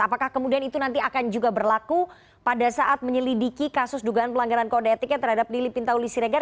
apakah kemudian itu nanti akan juga berlaku pada saat menyelidiki kasus dugaan pelanggaran kode etiknya terhadap lili pintauli siregar